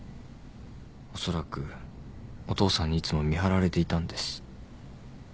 おそらくお父さんにいつも見張られていたんです。